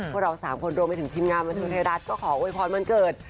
พวกเราสามคนรวมไปถึงทีมงานบรรทุนไทยรัฐก็ขอโว้ยพอร์สมันเกิด